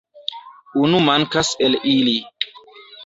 Unu mankas el ili.